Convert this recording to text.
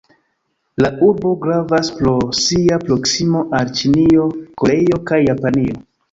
La urbo gravas pro sia proksimo al Ĉinio, Koreio kaj Japanio.